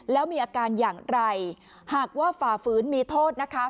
แล้วมีอาการอย่างไรหากว่าฝ่าฝืนมีโทษนะคะ